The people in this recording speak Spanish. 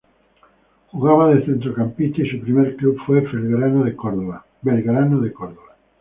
Jugaba de centrocampista y su primer club fue Belgrano de Córdoba.